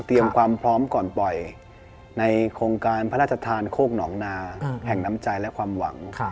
ความพร้อมก่อนปล่อยในโครงการพระราชทานโคกหนองนาแห่งน้ำใจและความหวัง